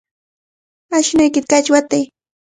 Ashnuykita kaychaw watay.